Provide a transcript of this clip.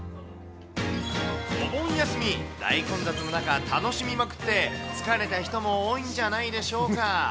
お盆休み、大混雑の中、楽しみまくって、疲れた人も多いんじゃないでしょうか。